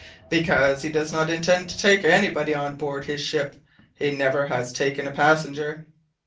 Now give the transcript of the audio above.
"Because he does not intend to take anybody on board his ship. He never has taken a passenger."